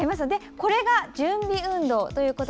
これが準備運動。